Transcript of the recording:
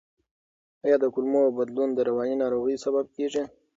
آیا د کولمو بدلون د رواني ناروغیو سبب کیږي؟